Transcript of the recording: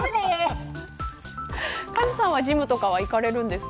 カズさんはジムとか行かれますか。